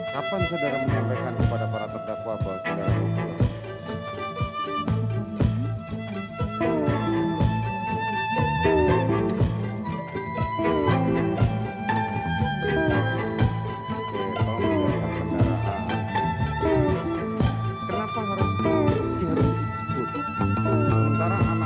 kapan saudara menyampaikan kepada para terdakwa bahwa saudara pulang